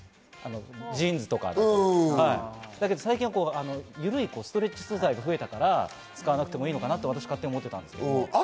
ジーンズとか、だけど最近は、ゆるいストレッチ素材が増えたから使わなくてもいいのかなと勝手に思っていたんですけど。